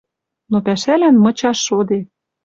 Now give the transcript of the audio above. Но пӓшӓлӓн мычаш шоде: